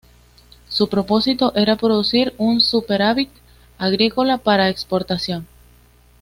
Su propósito era producir un superávit agrícola para exportación.